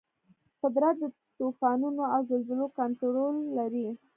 قدرت د طوفانونو او زلزلو کنټرول لري.